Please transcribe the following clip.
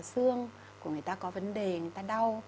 xương của người ta có vấn đề người ta đau